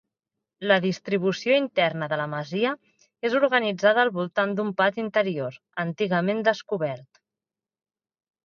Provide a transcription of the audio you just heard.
La distribució interna de la masia és organitzada al voltant d'un pati interior, antigament descobert.